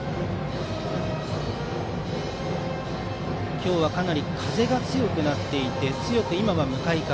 今日はかなり風が強くなっていて今は向かい風。